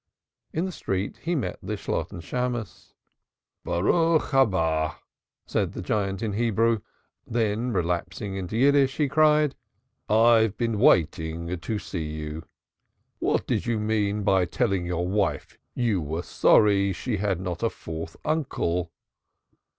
In the street he met the Shalotten Shammos. "Blessed art thou who comest," said the giant, in Hebrew; then relapsing into Yiddish he cried: "I've been wanting to see you. What did you mean by telling your wife you were sorry she had not a fourth uncle?"